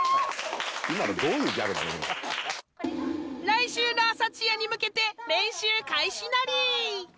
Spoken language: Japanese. ［来週の朝チアに向けて練習開始なり！］